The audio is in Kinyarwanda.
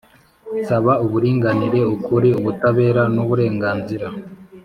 nsaba uburinganire, ukuri, ubutabera n'uburenganzira